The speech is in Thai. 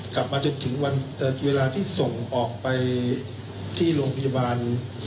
กลับมาจนถึงวันเวลาที่ส่งออกไปที่โรงพยาบาล